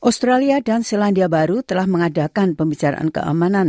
australia dan selandia baru telah mengadakan pembicaraan keamanan